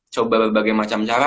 coba berbagai macam cara